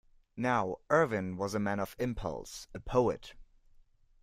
Now Irvine was a man of impulse, a poet.